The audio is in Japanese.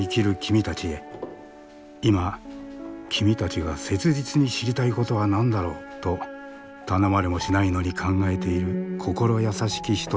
今君たちが切実に知りたいことは何だろう？と頼まれもしないのに考えている心優しき人たちがいる。